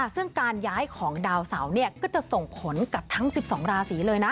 ซึ่งการย้ายของดาวเสาก็จะส่งผลกับทั้ง๑๒ราศีเลยนะ